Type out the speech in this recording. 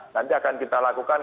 nanti akan kita lakukan